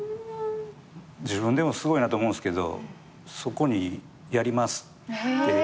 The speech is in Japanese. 自分でもすごいなと思うんすけどそこにやりますって。